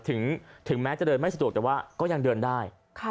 ถึงแม้จะเดินไม่สะดวกแต่ว่าก็ยังเดินได้